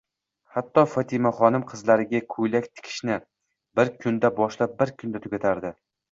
Hatto Fotimaxonim qizlariga ko'ylak tikishni bir kunda boshlab, bir kunda tugatardi.